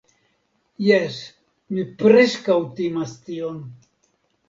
Jes, mi preskaŭ timas tion.